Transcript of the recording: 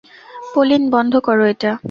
Pauline, বন্ধ করো এটা।